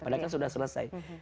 padahal sudah selesai